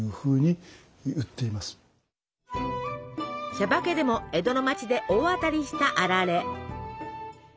「しゃばけ」でも江戸の町で大当たりしたあられ。